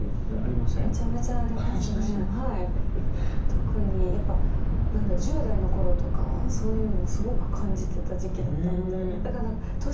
特にやっぱ１０代の頃とかはそういうのをすごく感じてた時期だったので。